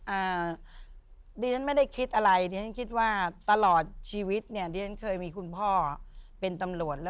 อ่าดิฉันไม่ได้คิดอะไรดิฉันคิดว่าตลอดชีวิตเนี่ยดิฉันเคยมีคุณพ่อเป็นตำรวจแล้ว